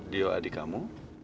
dio adik kamu